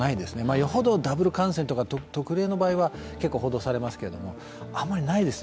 よほどダブル感染とか特例の場合は結構報道されますけれども、あんまりないですね。